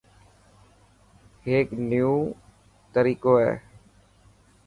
هيڪ نيوو تريقو هي.